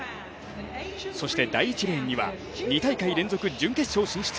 そして第１レーンには２大会連続準決勝進出